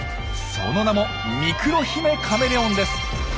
その名もミクロヒメカメレオンです。